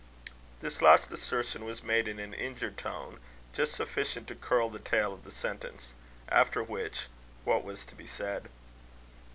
This last assertion was made in an injured tone, just sufficient to curl the tail of the sentence. After which, what was to be said?